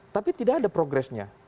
tapi tidak ada progresnya